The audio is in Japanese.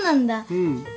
うん。